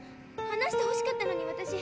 話してほしかったのに私。